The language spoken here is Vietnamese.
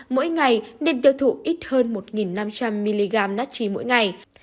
mỗi ngày nên tiêu thụ ít hơn một năm trăm linh mg natchi mỗi ngày